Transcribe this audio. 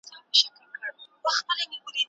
ستوري به کېنوي الف و بې ته